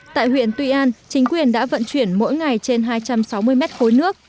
tại huyện tuy an chính quyền đã vận chuyển mỗi ngày trên hai trăm sáu mươi mét khối nước